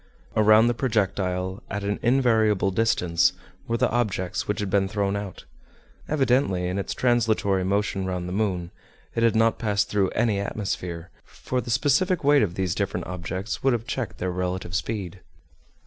Around the projectile, at an invariable distance, were the objects which had been thrown out. Evidently, in its translatory motion round the moon, it had not passed through any atmosphere, for the specific weight of these different objects would have checked their relative speed.